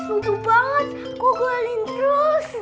udah banget gue gulain terus